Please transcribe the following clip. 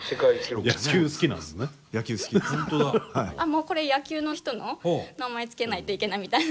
もうこれ野球の人の名前付けないといけないみたいな。